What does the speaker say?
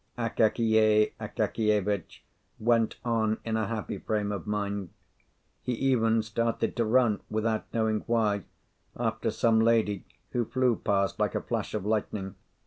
Akakiy Akakievitch went on in a happy frame of mind: he even started to run, without knowing why, after some lady, who flew past like a flash of lightning.